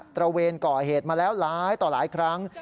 ระเวนก่อเหตุมาแล้วหลายต่อหลายครั้ง